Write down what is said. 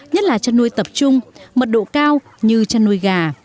nhất là chăn nuôi tập trung mật độ cao như chăn nuôi gà